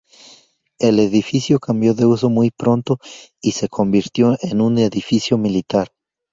El edificio cambió de uso muy pronto y se convirtió en un edificio militar.